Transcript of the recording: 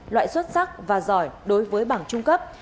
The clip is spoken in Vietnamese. loại xuất sắc và giỏi đối với bảng trung cấp